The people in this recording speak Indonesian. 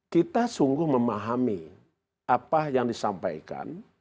kita sungguh memahami apa yang disampaikan